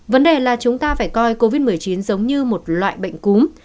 vấn đề là chúng ta phải coi covid một mươi chín giống như một loại bệnh cúm